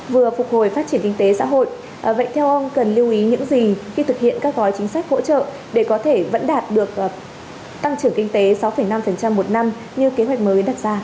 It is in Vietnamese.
vừa phục hồi phát triển kinh tế xã hội vậy theo ông cần lưu ý những gì khi thực hiện các gói chính sách hỗ trợ để có thể vẫn đạt được tăng trưởng kinh tế sáu năm một năm như kế hoạch mới đặt ra